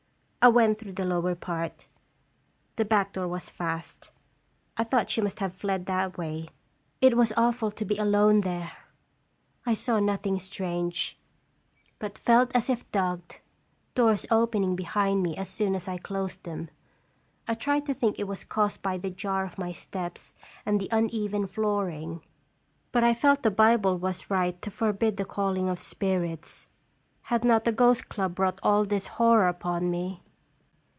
I went through the lower part. The back door was fast. I thought she must have fled that way. It was awful to be alone there ! I saw nothing strange, but felt as if dogged, doors opening behind me as soon as I closed them. I tried to think it was caused by the jar of my steps and the uneven flooring, but 1 felt the Bible 316 "&re tlje tDectfr was right to forbid the calling of spirits. Had not the Ghost Club brought all this horror upon me?